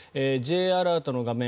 Ｊアラートの画面